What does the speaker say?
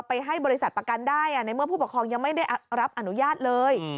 ให้บริษัทประกันได้ในเมื่อผู้ปกครองยังไม่ได้รับอนุญาตเลย